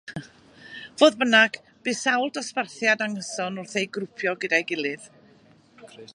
Fodd bynnag, bu sawl dosbarthiad anghyson wrth eu grwpio gyda'i gilydd.